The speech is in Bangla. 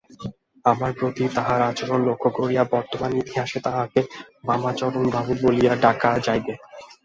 আমার প্রতি তাঁহার আচরণ লক্ষ্য করিয়া বর্তমান ইতিহাসে তাঁহাকে বামাচরণবাবু বলিয়া ডাকা যাইবে।